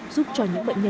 giúp cho những bệnh nhân